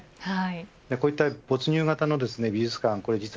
こういった没入型の美術館